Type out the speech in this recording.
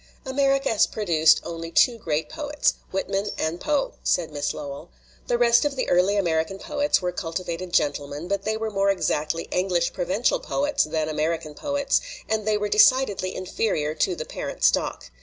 " America has produced only two great poets, Whitman and Poe," said Miss Lowell. "The rest of the early American poets were cultivated gentlemen, but they were more exactly English provincial poets than American poets, and they were decidedly inferior to the parent stock.